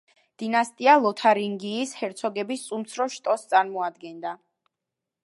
დინასტია ლოთარინგიის ჰერცოგების უმცროს შტოს წარმოადგენდა.